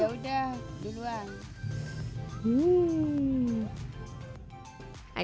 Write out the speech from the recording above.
ya udah duluan